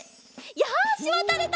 よしわたれた！